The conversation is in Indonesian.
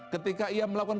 ketika ia melakukan